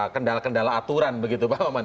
kendala kendala aturan begitu pak oman